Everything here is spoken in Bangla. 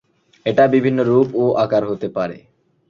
এটা বিভিন্ন রূপ ও আকার হতে পারে।